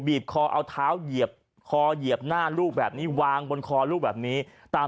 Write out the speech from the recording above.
คอเอาเท้าเหยียบคอเหยียบหน้าลูกแบบนี้วางบนคอลูกแบบนี้ตาม